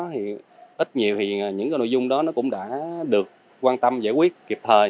thì ít nhiều thì những cái nội dung đó nó cũng đã được quan tâm giải quyết kịp thời